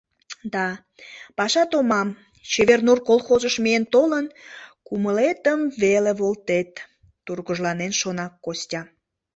«Да, паша томам, «Чевер нур» колхозыш миен толын, кумылетым веле волтет, — тургыжланен шона Костя.